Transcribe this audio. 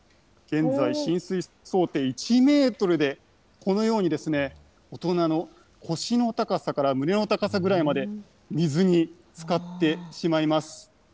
現在、浸水想定１メートルで、このように大人の腰の高さから胸の高さぐらいまで、水につかってしまいます。